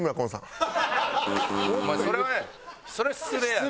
お前それはそれは失礼やな。